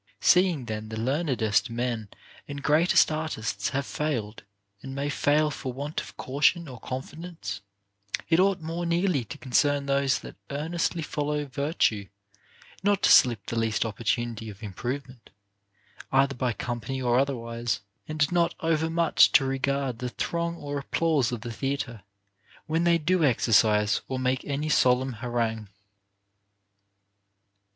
Seeing then the learnedest men and greatest artists have failed and may fail for want of caution or confidence, it ought more nearly to concern those that earnestly follow virtue, not to slip the least opportunity of improvement, either by company or otherwise ; and not overmuch to OF MAN'S PROGRESS IN VIRTUE. 461 regard the throng or applause of the theatre, when they do exercise or make any solemn harangue.